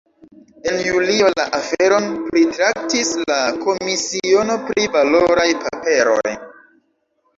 En julio la aferon pritraktis la komisiono pri valoraj paperoj.